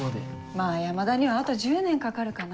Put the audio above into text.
まぁ山田にはあと１０年かかるかな。